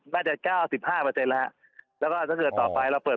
น่าจะเก้าสิบห้าเปอร์เซ็นต์แล้วฮะแล้วก็ถ้าเกิดต่อไปเราเปิด